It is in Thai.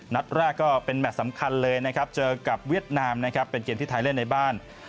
นัดแรกก็เป็นแมทสำคัญเลยนะครับเจอกับเวียดนามนะครับเป็นเกมที่ไทยเล่นในบ้าน